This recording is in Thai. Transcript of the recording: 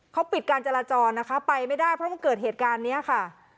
เขาปิดการจราจรนะคะไปไม่ได้เพราะมันเกิดเหตุการณ์นี้ค่ะ